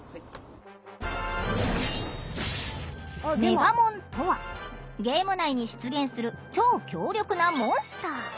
メガモンとはゲーム内に出現する超極力なモンスター。